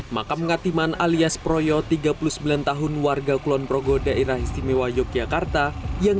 makam ngatiman alias proyo tiga puluh sembilan tahun warga kulonprogo daerah istimewa yogyakarta yang